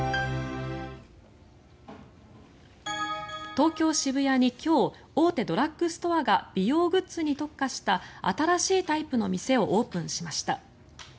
東京・渋谷に今日大手ドラッグストアが美容グッズに特化した新しいタイプの店をオープンしました。